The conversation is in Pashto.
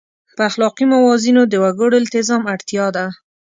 په اخلاقي موازینو د وګړو التزام اړتیا ده.